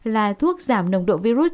là thuốc giảm nồng độ virus